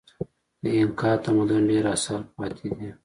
د اینکا تمدن ډېر اثار پاتې دي.